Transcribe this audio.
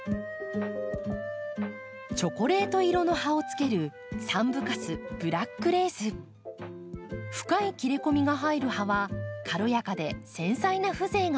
チョコレート色の葉をつける深い切れ込みが入る葉は軽やかで繊細な風情があります。